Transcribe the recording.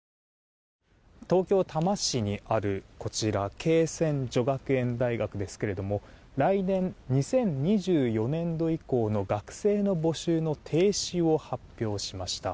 東京・多摩市にある恵泉女学園大学ですが来年、２０２４年度以降の学生の募集の停止を発表しました。